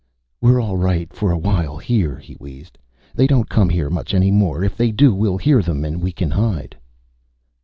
"We're all right for a while here," he wheezed. "They don't come here much any more. If they do, we'll hear them and we can hide."